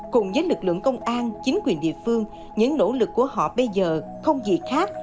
cùng với lực lượng công an chính quyền địa phương những nỗ lực của họ bây giờ không gì khác